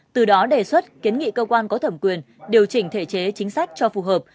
từ đó đề xuất kiến nghị cơ quan có thẩm quyền điều chỉnh thể chế chính sách cho phù hợp